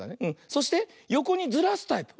そしてよこにずらすタイプ。